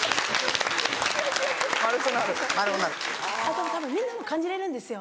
でもたぶんみんなも感じれるんですよ。